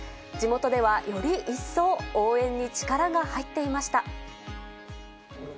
地元ではより一層、応援に力が入っていました。